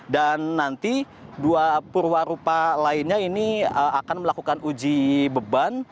dan nanti dua perwarupa lainnya ini akan melakukan uji beban